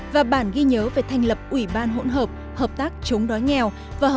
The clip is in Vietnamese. và bản ghi nhớ về thành lập ủy ban hỗn hợp hợp tác chống đói nghèo